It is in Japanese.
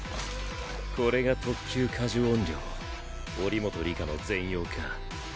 これが特級過呪怨霊祈本里香の全容か。